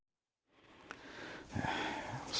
ต่อเปิด